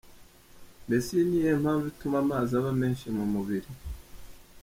Mbese ni iyihe mpamvu ituma amazi aba menshi mu mubiri?.